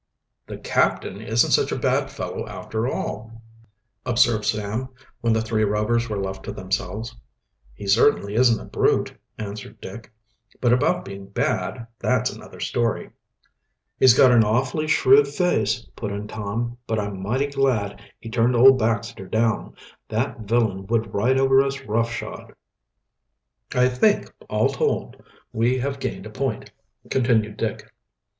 "The captain isn't such a bad fellow, after all," observed Sam, when the three Rovers were left to themselves. "He certainly isn't a brute," answered Dick. "But about being bad, that's another story." "He's got an awfully shrewd face," put in Tom. "But I'm mighty glad he turned old Baxter down. That villain would ride over us roughshod." "I think, all told, we have gained a point," continued Dick.